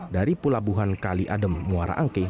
dari pulau buhan kali adem muara angke